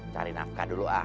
cari nafkah dulu ah